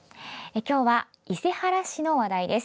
今日は伊勢原市の話題です。